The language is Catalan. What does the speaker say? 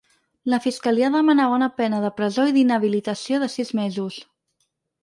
La fiscalia demanava una pena de presó i d’inhabilitació de sis mesos.